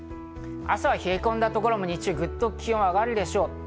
朝は冷え込んだところも日中はぐっと気温が上がるでしょう。